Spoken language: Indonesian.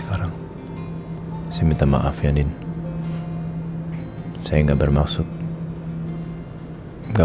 aduh gemul pake ngomong begitu